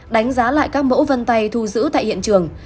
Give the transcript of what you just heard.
đánh giá lại các mẫu vân tay thu giữ tại hiện trường